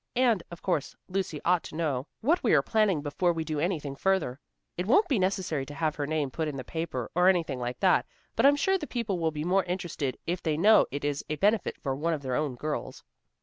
And, of course, Lucy ought to know what we are planning before we do anything further. It won't be necessary to have her name put in the paper, or anything like that, but I'm sure the people will be more interested if they know it is a benefit for one of their own girls."